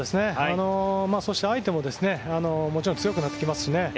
そして相手ももちろん強くなってきますしね。